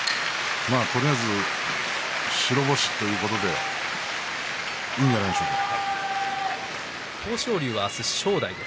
とりあえず白星ということでいいんじゃないでしょうか。